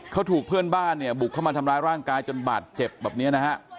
เขาถูกเพื่อนบ้านเนี่ยบุกเข้ามาทำร้ายร่างกายจนบาดเจ็บแบบนี้นะฮะ